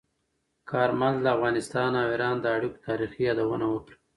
کارمل د افغانستان او ایران د اړیکو تاریخي یادونه وکړه.